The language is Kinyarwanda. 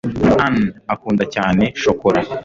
ann akunda cyane shokora